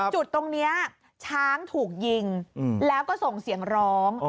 จุดตรงนี้ช้างถูกยิงแล้วก็ส่งเสียงร้อง